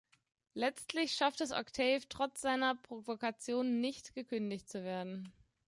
Letztlich schafft es Octave trotz seiner Provokationen nicht, gekündigt zu werden.